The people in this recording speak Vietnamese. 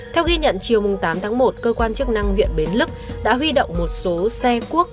theo ghi nhận chiều tám tháng một cơ quan chức năng huyện bến lức đã huy động một số xe cuốc